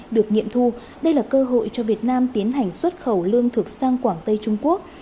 được nghiệm thu đây là cơ hội cho việt nam tiến hành xuất khẩu lương thực sang quảng tây trung quốc